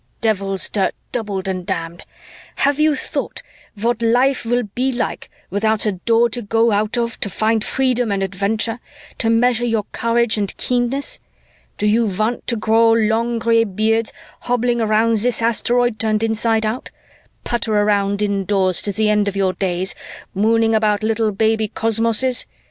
"Devil's dirt doubled and damned! Have you thought what life will be like without a Door to go out of to find freedom and adventure, to measure your courage and keenness? Do you want to grow long gray beards hobbling around this asteroid turned inside out? Putter around indoors to the end of your days, mooning about little baby cosmoses?